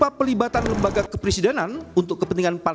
dan perlibatan lembaga kepresidenan untuk kepentingan empat dua